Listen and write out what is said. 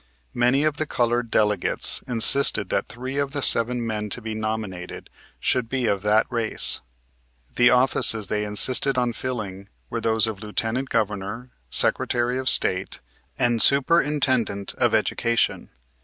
Many of the colored delegates insisted that three of the seven men to be nominated should be of that race. The offices they insisted on filling were those of Lieutenant Governor, Secretary of State, and Superintendent of Education.